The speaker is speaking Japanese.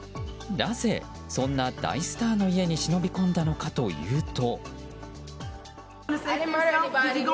なぜ、そんな大スターの家に忍び込んだのかというと。